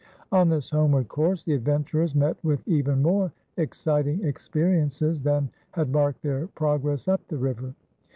On this homeward course, the adventurers met with even more exciting experiences than had marked their progress up the river.